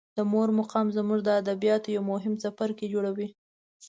د مور مقام زموږ د ادبیاتو یو مهم څپرکی جوړوي.